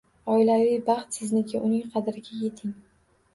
Oilaviy baxt sizniki, uning qadriga yeting